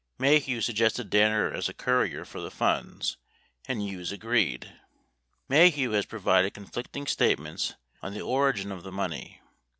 Maheu suggested Danner as the courier for the funds, and Hughes agreed. 47 Maheu has provided conflicting statements on the origin of the money.